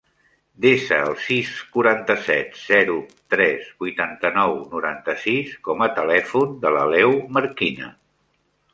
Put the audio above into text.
Desa el sis, quaranta-set, zero, tres, vuitanta-nou, noranta-sis com a telèfon de l'Aleu Marquina.